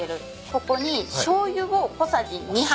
ここにしょうゆを小さじ２杯。